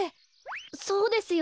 そうですよ。